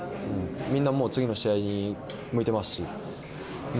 みんな次の試合に向いてますし。